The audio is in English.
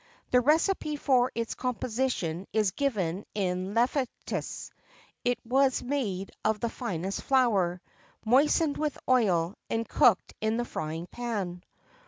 The recipe for its composition is given in Leviticus; it was made of the finest flour, moistened with oil, and cooked in the frying pan.